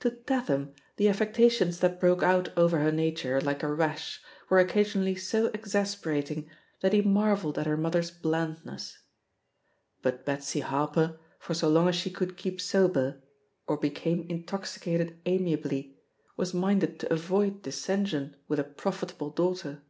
To Tatham the affectations that broke out over her nature like a rash were occasionally so exasperating that he marvelled at her mother's blandness. But Betsy Harper, for so long as she could keep so ber, or became intoxicated amiably, was minded to avoid dissension with a profitable daughter.